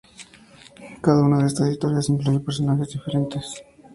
Cada una de estas historias incluye personajes diferentes.